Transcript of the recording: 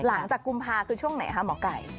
หลังจากกุมภาคมคือช่วงไหนคะหมอไก่